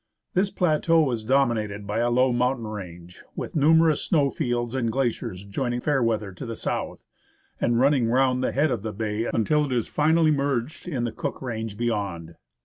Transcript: This plateau is dominated by a low mountain range, with numerous snow fields and glaciers joining Fairweather to the south, and running round the head of the bay until it is finally merged in the Cook range beyond.